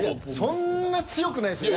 そんな強くないですよ